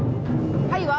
「はい」は？